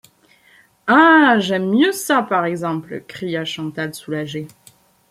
Ah! j’aime mieux ça, par exemple ! cria Chaval soulagé.